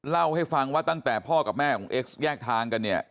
เล่าให้ฟังว่าตั้งแต่พ่อกับแม่ของเอ็กซ์แยกทางกันเนี่ย